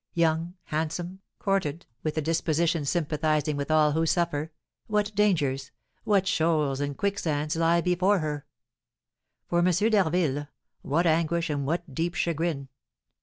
Young, handsome, courted, with a disposition sympathising with all who suffer, what dangers, what shoals and quicksands, lie before her! For M. d'Harville, what anguish and what deep chagrin!